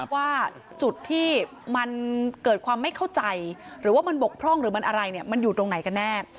ว่าจุดที่มันเกิดความไม่เข้าใจหรือว่ามันบกพร่องหรือมันอะไรเนี่ยมันอยู่ตรงไหนกันแน่